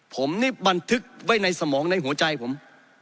ผมนี่บันทึกไว้ในสมองในหัวใจผม